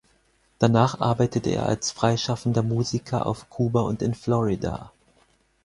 Danach arbeitete er als freischaffender Musiker auf Kuba und in Florida.